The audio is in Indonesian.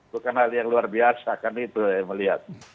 bukan hal yang luar biasa kan itu saya melihat